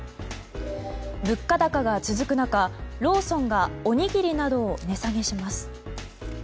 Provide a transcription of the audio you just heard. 物価高が続く中ローソンがおにぎりなどを値下げします。